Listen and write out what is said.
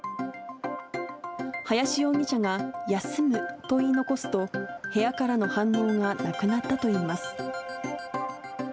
林容疑者が、休むと言い残すと、部屋からの反応がなくなったといいます。